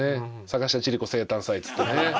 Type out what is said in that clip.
「坂下千里子生誕祭」っつってね。